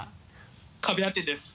壁当てです。